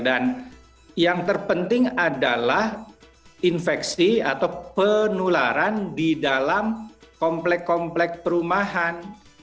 dan yang terpenting adalah infeksi atau penularan di dalam komplek komplek perumahan